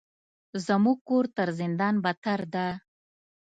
زموږ کور تر زندان بدتر ده.